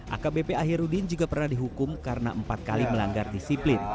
akbp ahirudin juga pernah dihukum karena empat kali melanggar disiplin